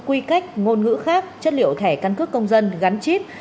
quy cách ngôn ngữ khác chất liệu thẻ căn cước công dân gắn chip